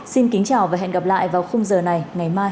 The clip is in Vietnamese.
xin kính chào và hẹn gặp lại vào khung giờ này ngày mai